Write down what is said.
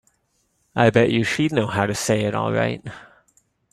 I bet you she'd know how to say it all right.